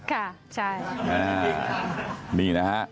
ค่ะใช่